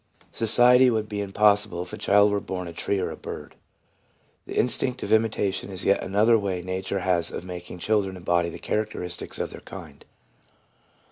Society would be im possible if a child were born a tree or a bird. The instinct of imitation is yet another way nature has of making children embody the characteristics of their kind.